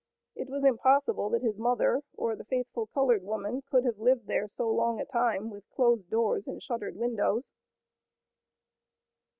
It was impossible that his mother or the faithful colored woman could have lived there so long a time with closed doors and shuttered windows.